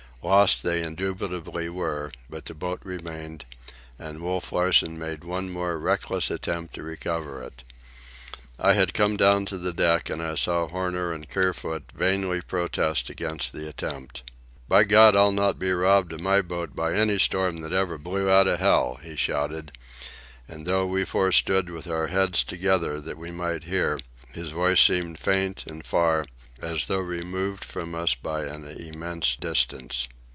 Lost they indubitably were; but the boat remained, and Wolf Larsen made one more reckless effort to recover it. I had come down to the deck, and I saw Horner and Kerfoot vainly protest against the attempt. "By God, I'll not be robbed of my boat by any storm that ever blew out of hell!" he shouted, and though we four stood with our heads together that we might hear, his voice seemed faint and far, as though removed from us an immense distance.